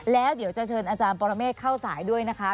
แล้วเดี๋ยวจะเชิญอาจารย์ปรเมฆเข้าสายด้วยนะคะ